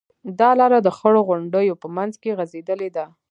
دا لاره د خړو غونډیو په منځ کې غځېدلې ده.